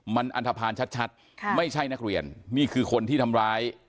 มันอันทภาณชัดไม่ใช่นักเรียนนี่คือคนที่ทำร้าย